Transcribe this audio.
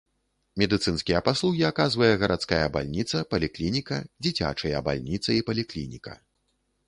Медыцынскія паслугі аказвае гарадская бальніца, паліклініка, дзіцячыя бальніца і паліклініка.